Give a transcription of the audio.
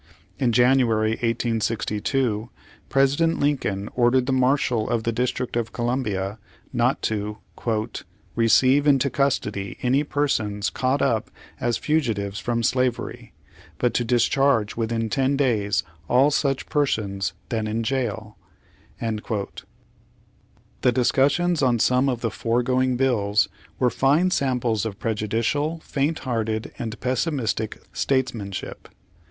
In January, 1862, President Lincoln ordered the Marshal of the District of Columbia not to "re ceive into custody any persons caught up as fu gitives from slavery, but to discharge within ten days, all such persons then in jail." The discussions on some of the foregoing bills were fine samples of prejudicial, faint hearted and pessimistic statesmanship.